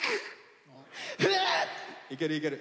いけるいける。